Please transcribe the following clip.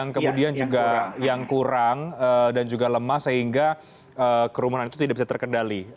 yang kemudian juga yang kurang dan juga lemah sehingga kerumunan itu tidak bisa terkendali